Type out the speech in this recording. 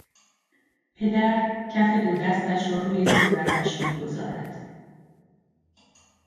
پدر کف دو دستش را روی صورتش میگذارد